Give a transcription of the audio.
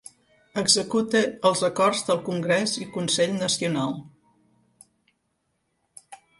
Executa els acords del Congrés i Consell Nacional.